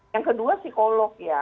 yang kedua psikolog ya